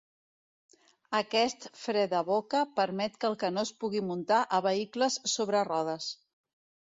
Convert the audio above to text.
Aquest fre de boca permet que el canó es pugui muntar a vehicles sobre rodes.